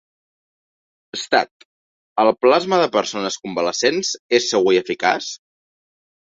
Stat: El plasma de persones convalescents és segur i eficaç?